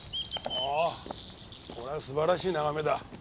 ああこれは素晴らしい眺めだ。